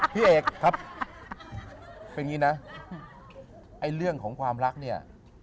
พี่เอกครับเป็นอย่างนี้นะไอ้เรื่องของความรักเนี่ย